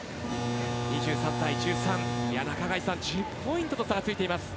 ２３対１３と中垣内さん、１０ポイントの差がついています。